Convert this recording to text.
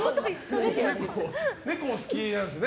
猫、お好きなんですよね。